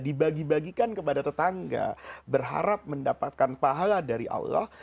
dibagi bagikan kepada tetangga berharap mendapatkan pahala dari allah